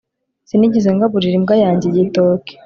sinigeze ngaburira imbwa yanjye igitoki